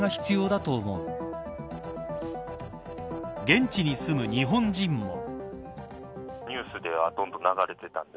現地に住む日本人も。